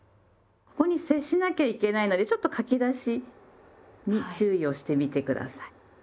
ここに接しなきゃいけないのでちょっと書き出しに注意をしてみて下さい。